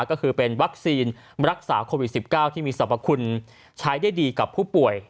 ก็คือเป็นวัคซีนรักษาโควิด๑๙ที่มีสรรพคุณใช้ได้ดีกับผู้ป่วย